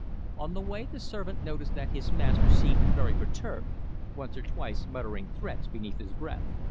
On the way the servant noticed that his master seemed very perturbed, once or twice muttering threats beneath his breath.